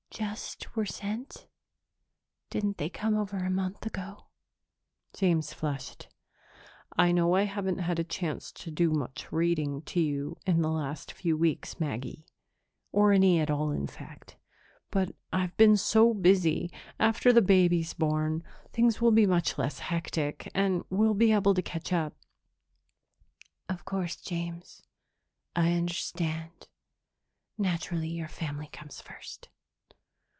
"Just were sent? Didn't they come over a month ago?" James flushed. "I know I haven't had a chance to do much reading to you in the last few weeks, Maggie or any at all, in fact but I've been so busy. After the baby's born, things will be much less hectic and we'll be able to catch up." "Of course, James. I understand. Naturally your family comes first."